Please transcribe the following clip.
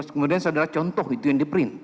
kemudian saudara contoh itu yang di print